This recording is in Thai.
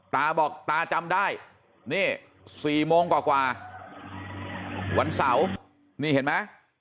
ตาบอกตาจำได้นี่๔โมงกว่าวันเสาร์นี่เห็นไหม